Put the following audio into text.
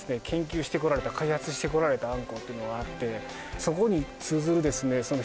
研究してこられた開発してこられたあんこってのがあってそこに通ずるですね